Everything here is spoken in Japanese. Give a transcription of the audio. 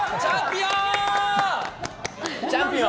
チャンピオン！